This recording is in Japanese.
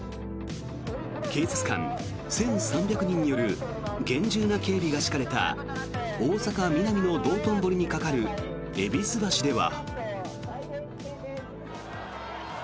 警察官１３００人による厳重な警備が敷かれた大阪・ミナミの道頓堀に架かる戎橋では。